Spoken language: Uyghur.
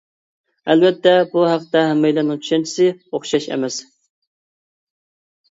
ئەلۋەتتە بۇ ھەقتە ھەممەيلەننىڭ چۈشەنچىسى ئوخشاش ئەمەس.